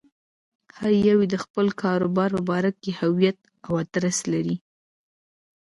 هر يو يې د خپل کاروبار په باره کې هويت او ادرس لري.